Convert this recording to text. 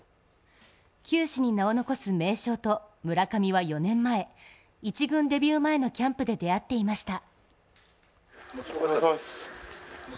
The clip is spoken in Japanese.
球史に名を残す名将と村上は４年前１軍デビュー前のキャンプで出会っていました。